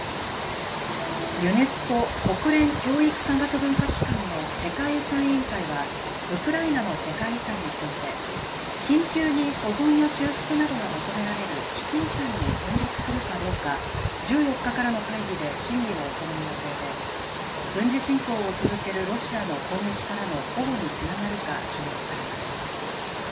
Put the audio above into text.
ユネスコ・国連教育科学文化機関の世界遺産委員会はウクライナの世界遺産について緊急に保存や修復などが求められる危機遺産に登録するかどうか１４日からの会議で審議を行う予定で軍事侵攻を続けるロシアの攻撃からの保護につながるか注目されます。